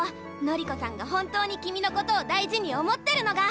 紀子さんが本当に君のことを大事に思ってるのが！